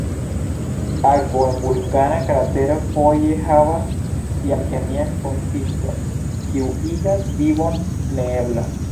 Akvo en vulkana kratero foje havas tian kemian konsiston, kiu igas vivon neebla.